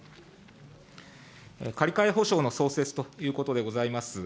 借り換え保証の創設ということでございます。